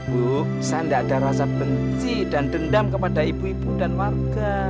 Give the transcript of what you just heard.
bu saya tidak ada rasa benci dan dendam kepada ibu ibu dan warga